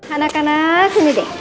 anak anak sini deh